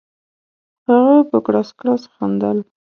هغه په کړس کړس خندل.